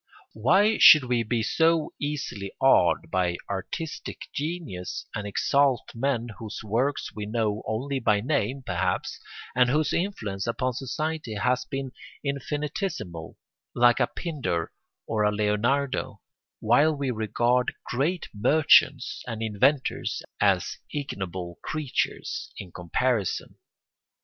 Why should we be so easily awed by artistic genius and exalt men whose works we know only by name, perhaps, and whose influence upon society has been infinitesimal, like a Pindar or a Leonardo, while we regard great merchants and inventors as ignoble creatures in comparison?